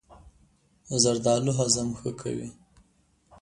زردالو هضم ښه کوي.